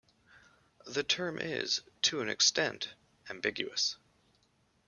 The term is, to an extent, ambiguous.